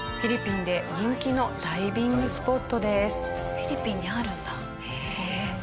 フィリピンにあるんだこんな海。